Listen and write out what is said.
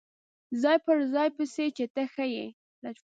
ځای په بلا پسې چې ته ښه یې.